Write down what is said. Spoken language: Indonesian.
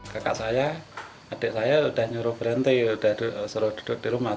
kakak saya adik saya sudah nyuruh berhenti sudah suruh duduk di rumah